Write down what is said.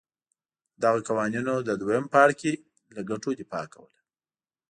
دغو قوانینو د دویم پاړکي له ګټو دفاع کوله.